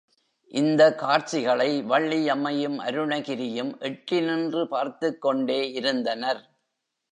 இந்த காட்சிகளை வள்ளியம்மையும், அருணகிரியும் எட்டி நின்று பார்த்துக் கொண்டே இருந்தனர்.